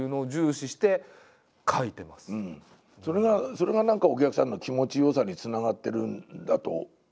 それが何かお客さんの気持ちよさにつながってるんだと思うね。